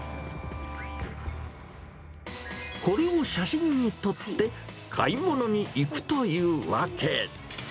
これを写真に撮って買い物に行くというわけ。